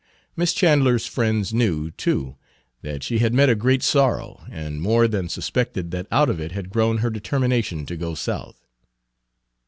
Miss Chandler's friends knew, too, that she had met a great sorrow, and more than suspected that out of it had grown her determination to go South.